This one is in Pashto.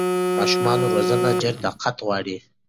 د ماشومانو روزنه ډېر دقت غواړي.